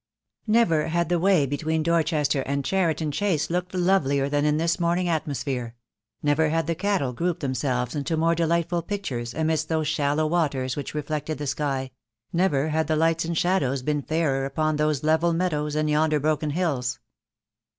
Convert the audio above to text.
Never had the way between Dorchester and Cheriton Chase looked lovelier than in this morning atmosphere; never had the cattle grouped themselves into more delight ful pictures amidst those shallow waters which reflected the sky; never had the lights and shadows been fairer upon those level meadows and yonder broken hills.